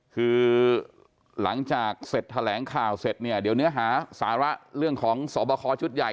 คือหลังจากเสร็จแถลงข่าวเสร็จเนี่ยเดี๋ยวเนื้อหาสาระเรื่องของสอบคอชุดใหญ่